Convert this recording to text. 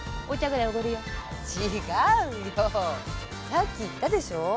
さっき言ったでしょ？